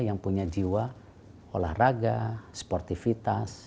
yang punya jiwa olahraga sportivitas